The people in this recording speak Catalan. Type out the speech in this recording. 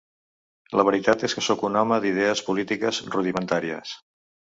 La veritat és que sóc un home d’idees polítiques rudimentàries.